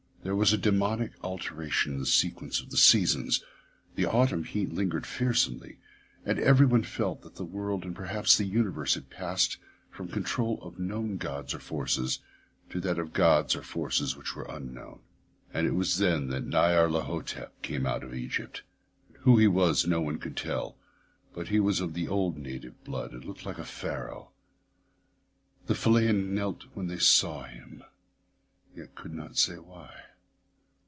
There was a daemoniac alteration in the sequence of the seasons—the autumn heat lingered fearsomely, and everyone felt that the world and perhaps the universe had passed from the control of known gods or forces to that of gods or forces which were unknown. And it was then that Nyarlathotep came out of Egypt. Who he was, none could tell, but he was of the old native blood and looked like a Pharaoh. The fellahin knelt when they saw him, yet could not say why.